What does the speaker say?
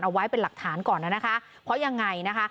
เอาไว้เป็นหลักฐานก่อนนะคะเพราะยังไงนะคะ